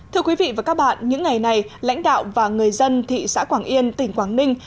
thưa quý vị và các bạn những ngày này lãnh đạo và người dân thị xã quảng yên tỉnh quảng ninh